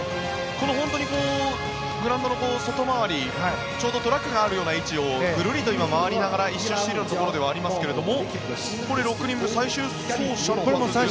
本当にグラウンドの外回りちょうどトラックがあるような位置をぐるりと回りながら１周しているところではありますがこれ、６人目、最終走者。